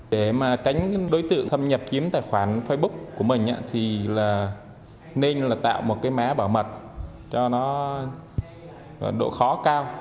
để mà tránh đối tượng thâm nhập kiếm tài khoản facebook của mình thì nên tạo một má bảo mật cho nó độ khó cao